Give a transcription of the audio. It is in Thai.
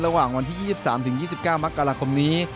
ระหว่างวันที่๒๓๒๙มกราคมนี้